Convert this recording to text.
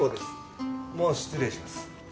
もう失礼します。